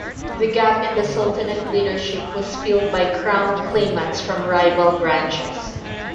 The gap in the sultanate leadership was filled by crown claimants from rival branches.